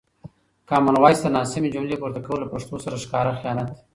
کامن وایس ته ناسمې جملې پورته کول له پښتو سره ښکاره خیانت دی.